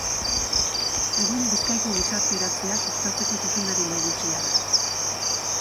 Egun Bizkaiko Gizarteratzea sustatzeko zuzendari nagusia da.